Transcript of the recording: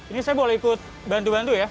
ini saya boleh ikut bantu bantu ya